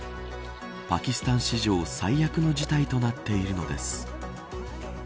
パキスタン史上最悪の事態となっているのです。